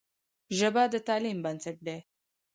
ژبه د تعلیم بنسټ دی.